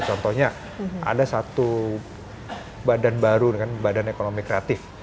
contohnya ada satu badan baru badan ekonomi kreatif